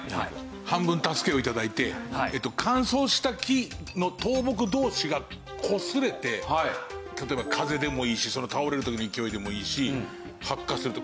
半分助けを頂いて乾燥した木の倒木同士がこすれて例えば風でもいいし倒れる時の勢いでもいいし発火すると。